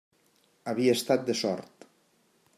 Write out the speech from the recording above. Havia estat de sort.